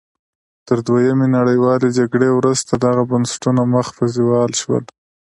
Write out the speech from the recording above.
تر دویمې نړیوالې جګړې وروسته دغه بنسټونه مخ په زوال شول.